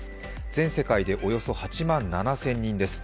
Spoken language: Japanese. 全世界でおよそ８万７０００人です。